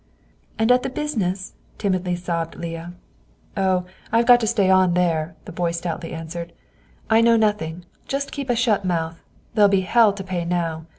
"And at the business?" timidly sobbed Leah. "Oh! I've got to stay on there," the boy stoutly answered. "I know nothing; just keep a shut mouth. There'll be hell to pay now.